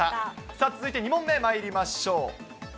さあ続いて、２問目まいりましょう。